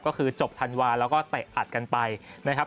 ก็คือจบธันวาแล้วก็เตะอัดกันไปนะครับ